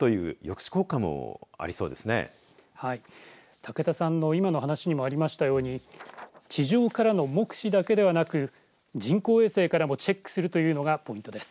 武田さんの今の話にもありましたように地上からの目視だけではなく人工衛星からもチェックするというのがポイントです。